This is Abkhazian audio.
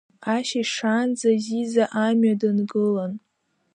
Ашьыжь шаанӡа Зиза амҩа дангылан.